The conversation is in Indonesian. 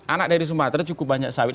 anak dari sumatera cukup banyak sawit